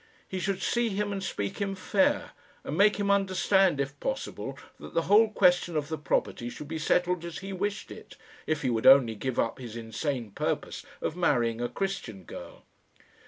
He should see him and speak him fair, and make him understand if possible that the whole question of the property should be settled as he wished it if he would only give up his insane purpose of marrying a Christian girl.